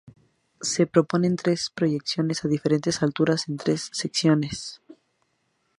Se proponen tres proyecciones a diferentes alturas en las tres secciones.